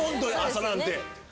朝なんて。